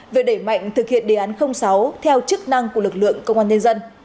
về đẩy mạnh thực hiện đề án sáu theo chức năng của lực lượng công an nhân dân